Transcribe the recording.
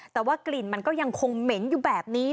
แต่ว่ากลิ่นมันก็ยังคงเหม็นอยู่แบบนี้